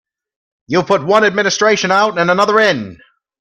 You've put one administration out and another in.